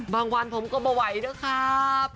บางวันผมก็ไว้ด้วยครับ